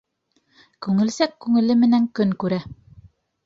Күңелсәк күңеле менән көн күрә.